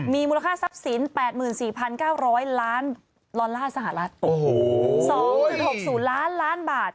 มีมูลค่าทรัพย์สิน๘๔๙๐๐ล้านล้อนล่าสหรัฐ